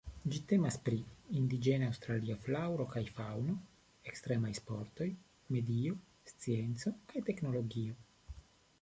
Ĝi temas pri indiĝena aŭstralia flaŭro kaj faŭno, ekstremaj sportoj, medio, scienco kaj teknologio.